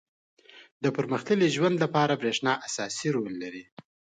• د پرمختللي ژوند لپاره برېښنا اساسي رول لري.